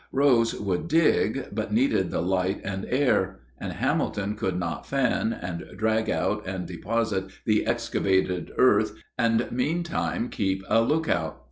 Rose could dig, but needed the light and air; and Hamilton could not fan, and drag out and deposit the excavated earth, and meantime keep a lookout.